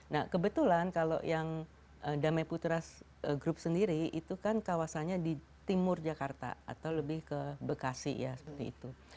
nah kebetulan kalau yang damai putra group sendiri itu kan kawasannya di timur jakarta atau lebih ke bekasi ya seperti itu